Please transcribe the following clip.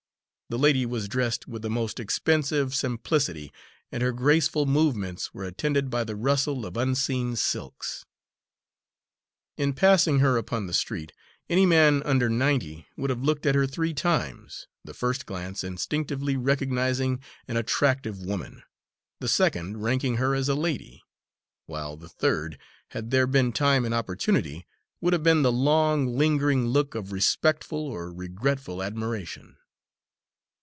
The lady was dressed with the most expensive simplicity, and her graceful movements were attended by the rustle of unseen silks. In passing her upon the street, any man under ninety would have looked at her three times, the first glance instinctively recognising an attractive woman, the second ranking her as a lady; while the third, had there been time and opportunity, would have been the long, lingering look of respectful or regretful admiration.